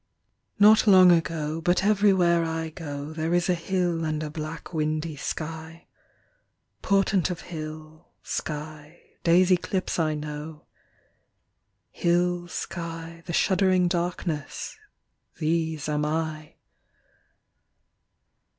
Not long ago but everywhere I go There is a hill and a black windy sky. Portent of hill, sky, day s eclipse I know: Hill, sky, the shuddering darkness, these am 1.